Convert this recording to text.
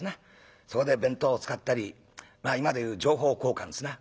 そこで弁当を使ったりまあ今で言う情報交換ですな。